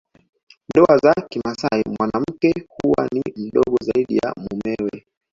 Ndoa za kimasai mwanamke huwa ni mdogo zaidi ya mumewe